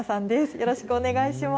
よろしくお願いします。